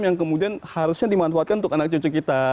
yang kemudian harusnya dimanfaatkan untuk anak cucu kita